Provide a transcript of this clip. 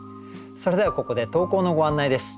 それではここで投稿のご案内です。